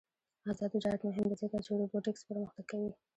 آزاد تجارت مهم دی ځکه چې روبوټکس پرمختګ کوي.